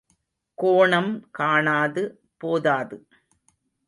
கோணம், காணாது, போதாது.